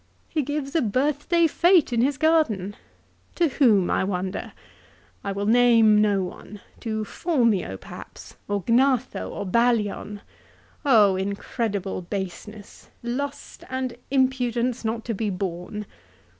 "He gives a birthday fete in his garden. To whom I wonder ? I will name no one. To Phormio, perhaps, or Gnatho, or Ballion! incredible baseness ; lust and impudence not to be borne